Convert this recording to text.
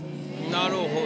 なるほど。